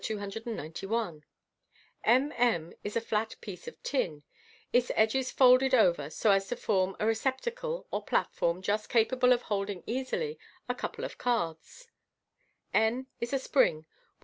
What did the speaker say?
291. m m is a flat piece of tin, its edges folded over so as to form a re ceptacle or plat form just capable of holding easily a couple of cards ; n is a spring, which, FrG.